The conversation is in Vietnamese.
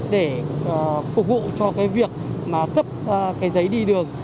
để phục vụ cho việc cấp giấy đi đường